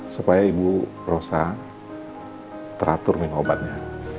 supaya ibu rosa teratur minum obatnya